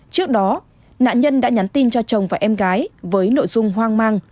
trước đó nạn nhân đã nhắn tin cho chồng và em gái với nội dung hoang mang